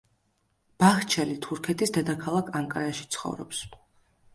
ბაჰჩელი თურქეთის დედაქალაქ ანკარაში ცხოვრობს.